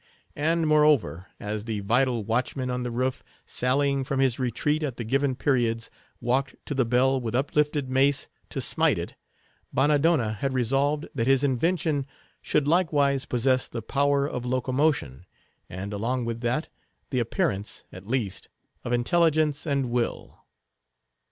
And, moreover, as the vital watchman on the roof, sallying from his retreat at the given periods, walked to the bell with uplifted mace, to smite it, Bannadonna had resolved that his invention should likewise possess the power of locomotion, and, along with that, the appearance, at least, of intelligence and will.